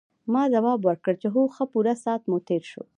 ما ځواب ورکړ چې هو ښه پوره ساعت مو تېر شو.